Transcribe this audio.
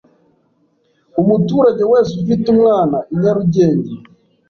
Umuturage wese ufite umwana i Nyarugenge